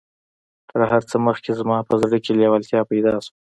تر هر څه مخکې زما په زړه کې لېوالتيا پيدا شوه.